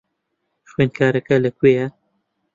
خوێندکارەکە لەکوێیە؟